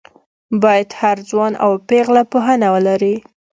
باید هر ځوان او پېغله پوهنه ولري